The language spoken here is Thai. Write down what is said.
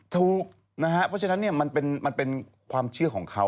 ถูกนะฮะเพราะฉะนั้นมันเป็นความเชื่อของเขา